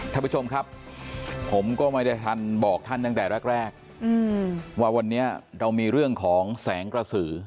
ท่านผู้ชมครับผมก็ไม่ได้ทันบอกท่านตั้งแต่แรกว่าวันนี้เรามีเรื่องของแสงกระสือ